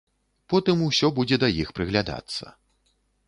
Потым усё будзе да іх прыглядацца.